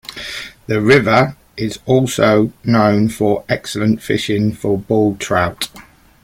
The river is also known for excellent fishing for bull trout.